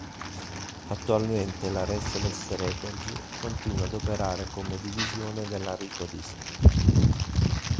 Attualmente la Restless Records continua ad operare come divisione della Rykodisc.